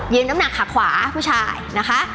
น้ำหนักขาขวาผู้ชายนะคะ